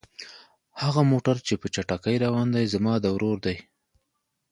هغه موټر چې په چټکۍ روان دی زما د ورور دی.